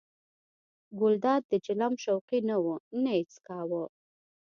ګلداد د چلم شوقي نه و نه یې څکاوه.